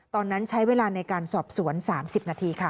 ตอนนั้นใช้เวลาในการสอบสวน๓๐นาทีค่ะ